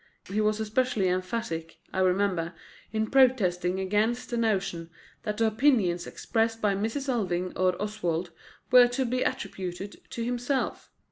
He was especially emphatic, I remember, in protesting against the notion that the opinions expressed by Mrs. Alving or Oswald were to be attributed to himself.